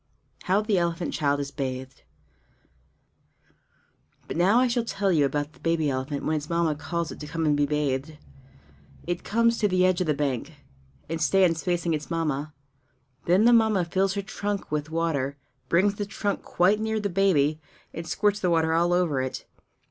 How the Elephant Child is Bathed But now I shall tell you about the baby elephant when its Mamma calls it to come and be bathed. It comes to the edge of the bank, and stands facing its Mamma. Then the Mamma fills her trunk with water, brings the trunk quite near the baby, and squirts the water all over it.